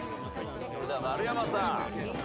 それでは丸山さん。